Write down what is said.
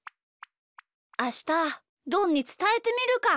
あしたどんにつたえてみるか。